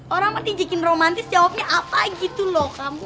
orang apa dijekin romantis jawabnya apa gitu loh kamu